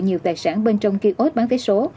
nhiều tài sản bên trong kia ốt bán vé số